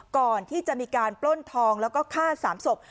ก่อนที่จะมีการปล้นทองแล้วก็ฆ่า๓ศพ